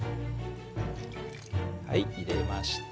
はい入れました。